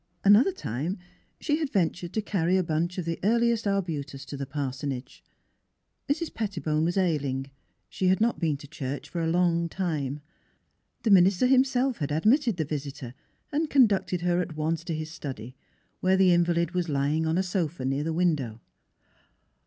18 THE HEART OF PHILUEA Another time she had ventured to carry a bunch of the earliest arbutus to the parsonage. Mrs. Pettibone was ailing; she had not been to church for a long time. The minister himself had admitted the visitor and conducted her at once to his study, where the invalid was lying on a sofa near the window.